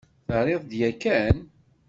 Terriḍ-d yakan?